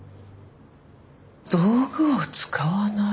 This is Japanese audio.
道具を使わない？